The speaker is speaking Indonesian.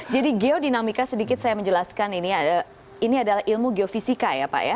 jadi geodinamika sedikit saya menjelaskan ini adalah ilmu geofisika ya pak ya